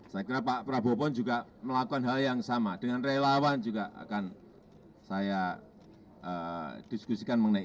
saya kira pak prabowo pun juga melakukan hal yang sama dengan relawan juga akan saya diskusikan mengenai